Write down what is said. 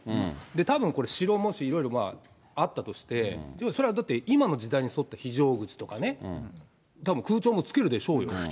たぶんこれ、城もしいろいろあったとして、そりゃだって、今の時代に沿った非常口とかね、たぶん空調もつけるでしょうよ。